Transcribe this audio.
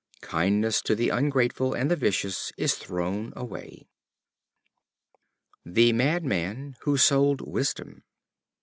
Kindness to the ungrateful and the vicious is thrown away. The Madman who Sold Wisdom.